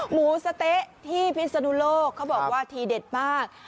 หมูสะเต๊ะที่พิศนุโลกเขาบอกว่าทีเด็ดมาก